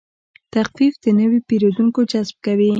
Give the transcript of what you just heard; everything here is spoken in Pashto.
تخفیف د نوي پیرودونکو جذب کوي.